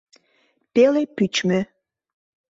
Пеле пӱчмӧ.